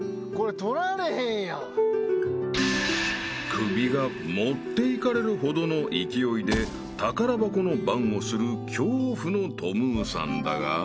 ［首が持っていかれるほどの勢いで宝箱の番をする恐怖のトムーさんだが］